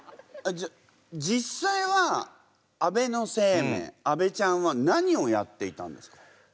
じゃあ実際は安倍晴明安倍ちゃんは何をやっていたんですか？